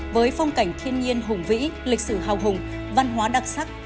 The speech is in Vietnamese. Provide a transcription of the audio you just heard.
với phong cảnh thiên nhiên hùng vĩ lịch sử hào hùng văn hóa đặc sắc